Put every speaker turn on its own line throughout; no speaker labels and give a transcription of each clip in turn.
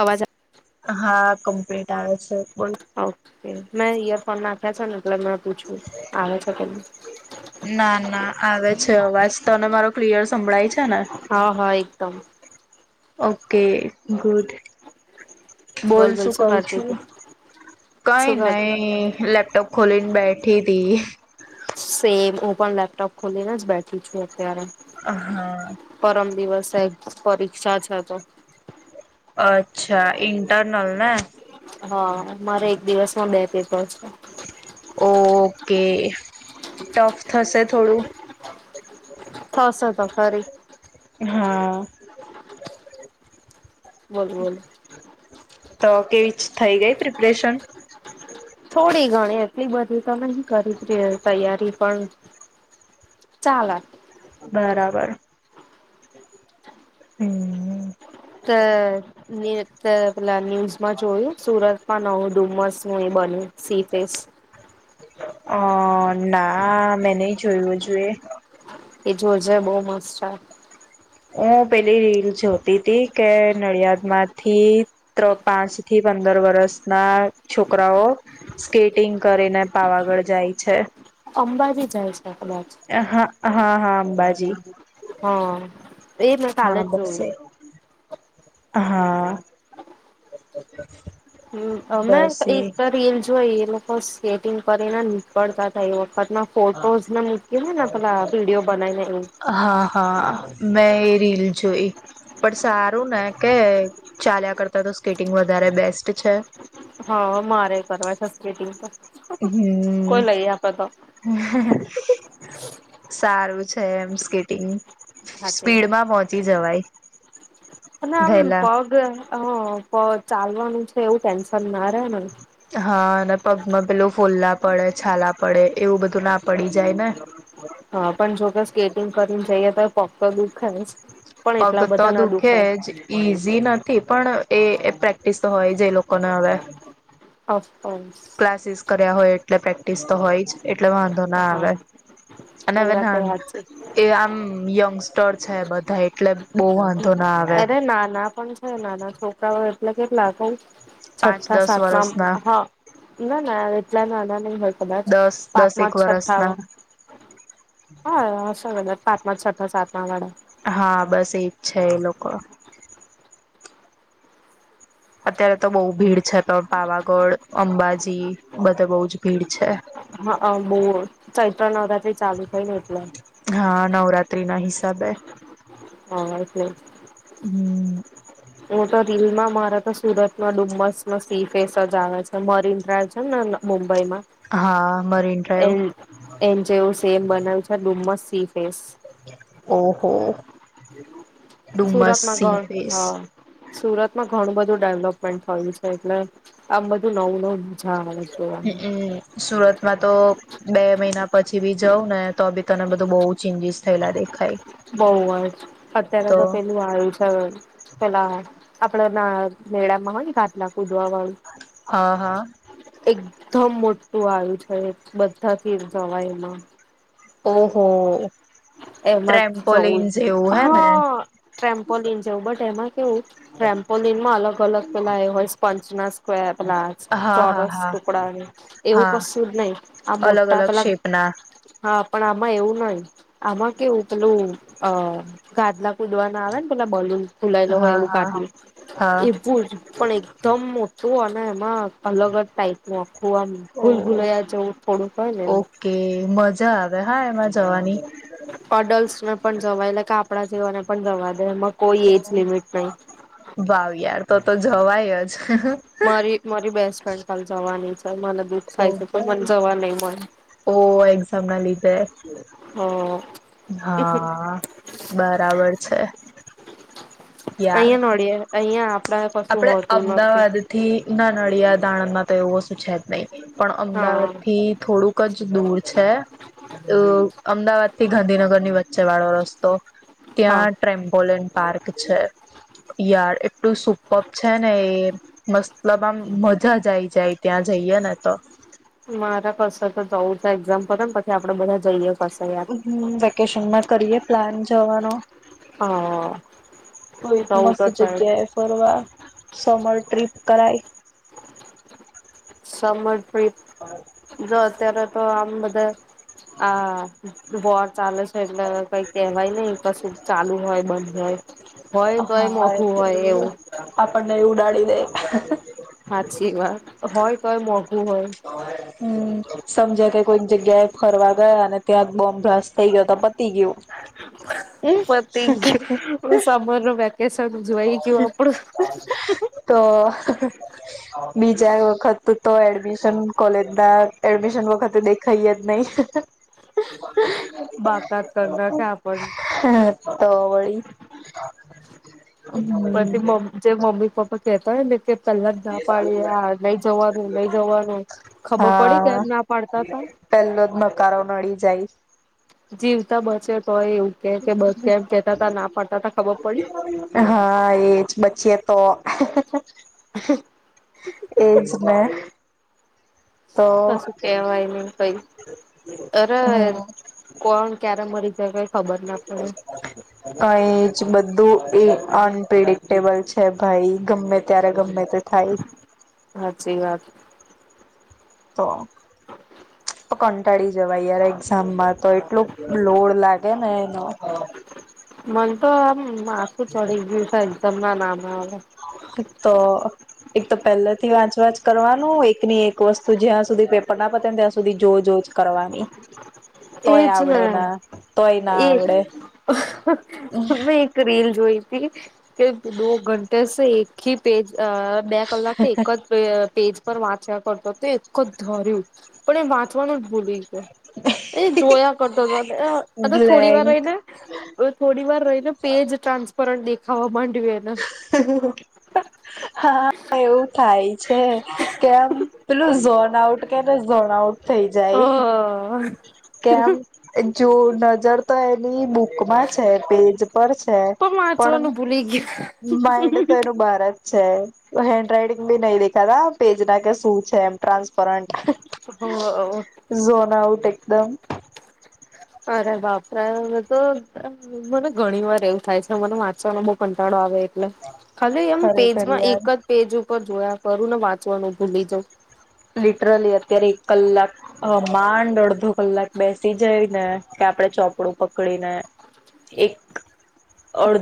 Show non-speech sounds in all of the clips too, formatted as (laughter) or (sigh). અવાજ આ
હા કમ્પ્લીટ આવે છે. બોલ
ઓકે મેં ઈયરફોન નાખ્યા છે (unintelligible) પૂછું આવે છે કે
ના ના આવે. અવાજ તને મારો ક્લિયર સંભળાય છે. ને
હ હ. તમ.
Okay good.
બોલ બોલ
બોલશું
શું
કઉ
કરતી
છું
હતી
કઈ
શું કર
નઈ લેપટોપ ખોલીને બેઠી હતીી.
સેમ ઓપન લેપટોપ ખોલીએ ને જ બેટરી છો છે.
હા.
સાહેબ પરીક્ષા છે તો.
અચ્છા ઇન્ટરનલ ને.
હા મારે એક દિવસ માં બેતી. (inaudible)
ઓકે ટફ થશે થોડું.
થાસ તો ખરી.
હા
બોલ બોલ.
તો કેવી થઈ ગઈ પ્રિપરેશન.
થોડી ગણી એટલી બધી તો નહી કરી જ ર તૈયારી પણ ચાલ.
બરાબર હું
તો. એ ન્યુઝમાં જોયું સુરતમાં નવું ડુમસ. ન બને.
અ ના. મેં નહ જોયું જોઈએ.
એ જોજ બહુ મસ્ત છે.
હું પેલી રીલ જોતી હતીી કે નડિયાદ માંથી પાંચ થી પંદર વરષના છોકરાઓ સ્કેટિંગ કરીને પાવાગઢ જાય છે.
અંબાજી જાય છે કદાચ.
હા હા હા. બાજી.
હું એ મેં કાલે જ
બસ
જોયું.
એ હા.
મે
બસ એ
એક રિએન્ જોય. સ્કેટિંગ કરીને નીકળતા થાય. ત ફોટોને મૂક ને ને પેલા વિડીયો બનાવીને એવું.
હા હા મેં એ રીલ જોઈ પણ સારું ને કે ચાલ્યા કરતાં તો સ્કેટિંગ વધારે બેસ્ટ છે.
સર્વા શસ્ત.
હમ સારું છે. છે એમ સ્કેટિંગ
સાચી વાત.
સ્પીડમાં પહોંચી જવાય.
અને આમ
વહેલા
પગ હ પ ચાલવાનું છે એવું ટેન્શન ના રેને
હા અને પગમાં પેલું ફોલ્લા પડે છાલા પડે એવું બધું ના પડી જાય ને
હા પન જો કે સ્કેટિંગ કરીને જઈએ તો પગ તો દુઃખે જ પણ
પગ
એટલા
તો
બધા ના
દુઃખે
દુખાય.
જ ઈઝી નથી. પણ એ પ્રેક્ટિસ તો હોય જ એ લોકોને હવે
ઓફકોર્સ.
ક્લાસીસ કર્યા હોય એટલે પ્રે ટીસસ તો હોય જ એ એટલે વાંધો ના આવે
હા
અને
એ
હવે
વાત
ના
સાચી
કે આમ યંગસ્ટર છે બધાંએ (unintelligible) બહુ વાંધો ના આવે
હ નાના છોકરાઓ એ એટલે કેટલા કઉં
પાંચ
છઠ્ઠા
દસ
સાતમા
વરસના
માં હ નાના એટલા નાના નહીં કદાચ
દસ દસેક
પાચમાં કે
વરસના
છઠ્ઠામાં હહશે કદાચ પાચમાં કે છઠ્ઠા સાતમા વાળા
હા બસ એજ છે એ લોકો અત્યારે તો બઉ ભીડ છે તો પાવાગઢ, અંબાજી બધે બઉ જ ભીડ છે.
હઅ બહુ ચૈત્ર નવરાત્રી ચાલુ થઈ ને એટલે.
છે બે
હા એટલે જ હું તો રીલમાં મારા તો સુરતમાં ડુમસનો સી ફેસ જ આવે છે. મરીન ડ્રાઈવ છે ને મુંબઈ મુંબઈમાં
હા મરીન ડ્રાઈવ
એન એન જેવું સેમ બનાયું છે ડુમસ
ઓહ હો! (inaudible)
સુરતમાં ગણ હ સુરત માં ઘણું બધું ડેવલપમેન્ટ થયું છે એટલે આમ બધું નવું નવું મજા આવે જોવાનું
હમ્મ અ સુરતમાં તો બે મહિના પછી બી જઉં ને તો બી તને બધું બહુ ચેન્જીસ થયેલા દેખાય.
બઉ જ અત્યારે તો પેલું આવ્યું છે. પેલા આપડા ના મેળામાં હોય ને ઘાતલા કુ.
હા હા
(unintelligible) એકધમ મોટું આવ્યું છે, બધાથી જવાય એમાં.
ઓહ હો!
એમાં જવું
હે ને
હા ટ્રેમ્પોલન જેવું બટ એમાં કેવું ટ્રેમ્પોલનમાં અલગ અલગ પેલા હોય, સ્પંચ ના સ્કવેર પેલા,
હા હા
ચોરસ
હા
ટુકડા એવું
હા
કશું જ નહીં. આ
અલગ
મોટા
અલગ
પેલા
શેપ ના
હા. પણ આમાં એવું નહીં. આમાં કેવું- પેલું અ ગાદલા કુદવા ના આવે ને, પેલા બલૂન. ખુલાયેલો હોય
હા
એવું,
હા
ગાઢ
હા
એવું, પણ એકદમ મોટું ના, એમાં અલગ જ ટાઈપ નું
ઓ
ભૂલભૂલૈયા જેવું થોડુંક હોય ને એમ
જા આવે, હા એમાં જવાની
આપડા જેવાને પણ જવા દે કોઈ એજ લિમિટ નહી
ભાવ યાર તો તો જવાય જ.
મારી મારી બેસ્ટ ફ્રેન્ડ પણ જવાની છે. મને દુઃખ
ઓ
થાય છે તો મને
ભાઈ
જવા નહી મળે
ઓ, એક્ઝામ ના લીધે
હ
હા, બરાબર છે. યાર
અહીંયા નોડીએે, અહીંયા આપ.
આપડે અમદાવાદથી ના નડિયાદ દાણમાં તો એવું શું છે જ નહીં. પણ અમદાવાદ
હા
થી થોડુંક જ દૂર છે. અ અમદાવાદ થી ગાંધીનગર ની વચ્ચે વાળો રસ્તો
હા
ત્યાં ટમ્પોલન પાર્ક છે. યાર એટલું સુપર્બ પપ છે ને, એ મતલબ આમ મજા જ આવી જાય, ત્યાં જઈએ ને તો.
મારા કસે તો જવું છે, એક્ઝામ પતે ને પછી આપડે બધા જઈએ. કશે યાર.
હમ, વેકેશનમાં કરીએ પ્લાન. જવાનો.
હ
કો એક
જવું
મસ્ત
તો છે જ.
જગ્યા એ ફરવા, સમય. ટ્રિપ કરાય.
સમણ જો ત્યારે તો આમ બધાએ આ વોર ચાલે છે. એટલે કઈ કેહેવાય નહિ, કશું ચાલુ હોય બંધ હોય. હોય તોય
હા એટ
મોઘું હોય એવું
આપણને એ ઉડાડી દે. હ અ
સાચી વાત હોય તોય મોઘું હોય.
હમ સમજ્યા કે કોઈ જગ્યાએ ફરવા ગયા અને ત્યાં બોમ્બ બ્લાસ્ટ થઇ ગયો તો પતી ગયું.
પતી ગયું સમર નું વેકેશન ઉજવાઈ ગયું આપડું
તો બીજા વખત. તો એડમિશન કોલેજ બ બેગ. એડમિશન વખતે. ખૈયત નહી.
બાકાત કરના કે આપણ.
હ તો વળી.
પછીમ્
હમ
જે મમ્મી પપ્પા. કેતા (unintelligible) કે પેલા જ ના પાડી આ લઈ જવાનું લઈ જવાનું ખબર પડી કેમ
હા
ના પાડતા ત.
પેલો જ નકારો નડી જાય.
જીવતા બચે. તો હોય એવું કે કે બ કેમ કેતા તા ના પાડતા તા ખબર પડી
હા એજ બચી. તો. એજ ને. તો
કશું કેવાય નહી કઈ અરે
હમ
કોણ ક્યારે મરી જાય કઈ ખબર ના પડે
કઈ જ બધું એક. અનપિડિક્ટેબલ છે ભાઈ ગમે ત્યારે ગમે. તે થાઈ.
સ વાત.
તો.
હ.
કંટાળી જવાય યાર એક્ઝામમાં હ હા.
મન તો. હમ માસું પડી ગયું છે એકદમ ના નામ આવે.
તો. એક તો પહેલાથી વાંચ વાંચ કરવાનું એકની એક વસ્તુ જ્યાં સુધી પેપર ના પતાને ત્યાં સુધી જો જોજ કરવાની.
એ
તોય
જ
આવડે ના તોય ના
એમે
આવડે
એક રીલ જોઈ થી કે દો ઘંટેે એક હ પેજ અ બે કલાકથી એક જ પેજ પર વાંચ્યા કરતો તે એક જ ધર્યું પણ એ વાંચવાનું જ ભૂલી ગયો એ જોયા કરતો હતો અને થોડી વાર
બ્લેન્ક
રહીને થોડી વાર રહીને પેજ ટ્રાન્સપરન્ટ દેખ હવામાન
હા એવું થાય છે કેમ પેલું ઝોન આઉટ કેને ઝોનઉટ થઈ
અ
જાય કેમ જો નજરતા એ તે બુક માં છે પેજ પર છે પણ
વાંચવાનું ભૂલી
(unintelligible) છે, હેન્ડ રાઈટિંગ બી નહી દેખાતા પેજ ના કે શું છે એમ ટ્રાસ પરન્ટ.
ગયું
(unintelligible) એકદમ.
અરે બાપરે હવે તો મને ઘણી વાર એવું થાય છે મને વાંચવાનો બહુ કંટાળો આવે. એટલે ખાલી એમ
ખરેખર
પેજમાં એક
યાર
જ પેજ ઉ પર જોયા કરું ને વાંચવાનું ભૂલી જવ.
લિટરલી અત્યારે અધો કલાક બેસી જાય ને કે આપડે ચોપડું પકડીને એક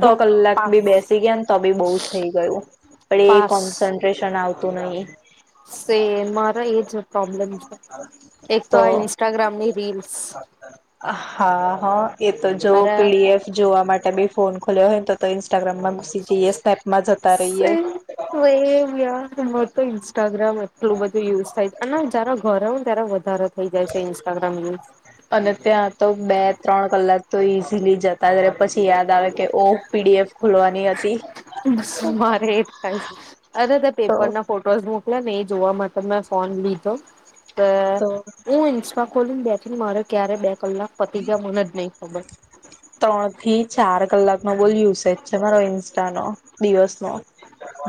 તો
કલાક બી
પાસ.
બેસી ગયા ને તો બી બઉ થઈ ગયું, પણ એ કોન્સન્ટ્રેશન આવ તું નહી.
સેમ મારો એજ પ્રોબ્લમ છે. એક તો આ ઇન્સ્ટાગ્રામની રીલ્સ.
હા હા. એ તો જોવ
અરે
પી ડી એફ જોવા માટે બે ફોન ખોલ્યો હોય ને તો તો ઈન્સ
સેમ
રહીએ
(unintelligible) ઇન્સ્ટાગ્રામ. (unintelligible) (unintelligible) (unintelligible) જાય છે ઇન્સ્ટાગ્રામ યુઝ.
અને ત્યાં તો બે, ત્રણ, કલાક તો ઈ. (unintelligible) ત્યારે પછી યાદ આવે કે ઓ પીડી ફોલવાની હતી
મારે એ થાયસ અરે તે
તો
પેપર ના ફોટોસ મ એટલે મેં એ જોવા માટે મેં ફોન લીધો તો હું ઇન્સમાં ખોલીને બેઠી મારે ક્યારે બે કલાક પતિજા મને જ નહીં ખબર
ત્રણ થી ચાર કલાક નો બોલ યુસેજ છે, મારો ઇન્સ્ટાનો, દિવસનો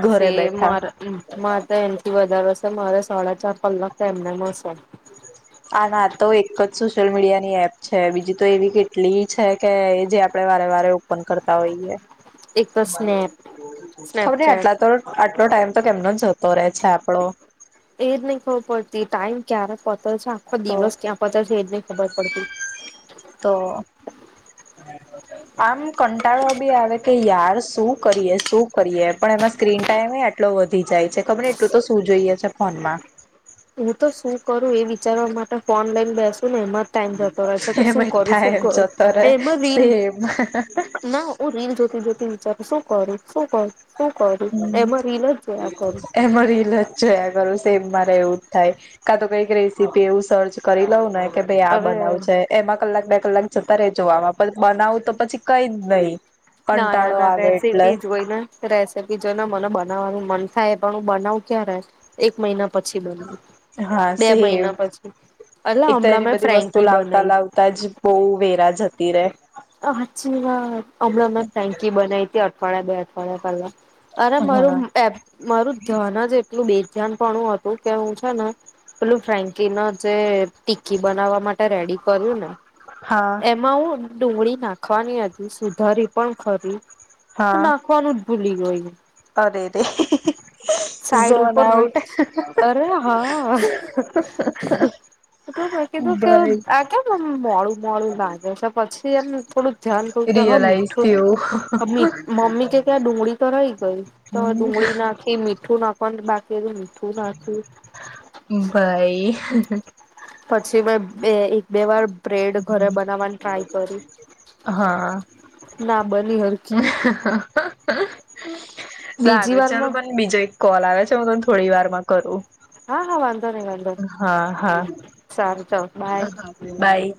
ઘરે
સેમ
બેઠા
મારા માતા એનથી વધારે મારે સળા ચાર કલાક તો એમનેમ હશે
આ ના તો એક જ સોશિયલ મીડિયા ની એપ છે બીજી તો એવી કેટલી છે કે જે આપડે વારે વારે ઓપન કરતા હોઈએ
એક તો સ્નેપ સ્નેપચેટ
આટલા આટલો ટાઈમ તો કેમનો જતો રહે છે આપડો
એજની ખબર પડતી ટાઈમ ક્યારે પ આખો
તો
દિવસ ક્યાં પચ છે એ જ ન ખબર પડતી
તો આમ કંટાળો બી આવે કે યાર શું કરીએ શું કરીએ પણ એમાં સ્ક્રીન ટાઈમે આટલો વધી જાય છે ખબરને એટલું તો શું જોઈએ છે ફોનમાં
હું તો શું કરું એ વિચારવા માટે ફોન લઈન બેસુ નેએમાં ટાઈમ જતો રહે છે કે
એ
શું કરું
બેઠા
શું
એમ ટાઈમ
કરું
જતો રે
એમાં રીલ
સેમ
ના હ રીલ જોતી જોતી વિચાર શું કરું શું કરું શું કરું
હમ
એમાં રીલ જ જોયા કરું
એમા રીલજ જોયા કરું મારે એવું જ થાય કા તો કઈક રેસીપી એવું સર્ચ કરી લઉં ને કે ભાઈ આ
હવે
બનાવ છે એમાં કલાક બે કલાક જતા જોવામાં પણ બનાવું તો પછી કઈ જ નહી
ના ના
કંટાળો
ના
આવે એટલે
રેસિપી જોય ને રેસિપી જો ને મને બનાવવાનું મન થાય પણ હું બનાવું ક્યાં રે એક મહિના પછી બનવું
હા
બે
સેમ
મહિના પછી એટલે
એક તો
હમણાં
એની
મેં
બધી
ફ્રેન્કી
વસ્તુ લાવતા
બનાવી
લાવતા જ બહુ વેરા જ તીરે
અ હાચી વાત હમણાં અમે ફેંકી બનાવી હતી અઠવાડિયા બે અઠવાડિયા પેલા અરે મારું મારું ધ્યાન જ એટલું બે ધ્યાન પણું હતું કે હું છે ને પેલું ફ્રેન્કી ન જે ટીકી બનાવવા માટે રેડી કર્યું ને
હા હા
એમાં હું ડુંગળી નાખવાની હતી સુધારી પણ ખરી તો
હા
નાખવાનું જ ભૂલી ગય
અરે રે
સાઈડ
ઝોન
ઉપર રહી
આઉટ
અરે હા મે કીધું મેં કીધું કે
ભાઈ
આ કેમ મોળું લાગે છે પછી એમ થોડુંક ધ્યાન કું કે હ
રિયલાઈઝ
મીઠું
થયું
મમી મમ્મી કે કે આ ડુંગળી તો રહી ગઈ તો ડુંગળી નાખી મીઠું નાખવાનું બાકી. (unintelligible) નાખ્યું
ભાઈ.
પછી મે બે. વાર બ્રેડ ઘરે બનાવવાની ટ્રાય કરી
હા હ.
ના બની હરખી બીજી
સારું ચાલો
વારમાં
પણ બીજો એક કોલ આવે. આવે છે હું તને થોડી વાર માં કરું.
હા હા વા
હા હા.
સારું ચાલ બાય
હ બાય.